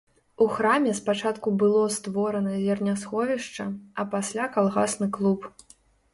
У храме спачатку было створана зернясховішча, а пасля калгасны клуб.